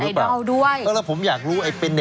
ใครคือน้องใบเตย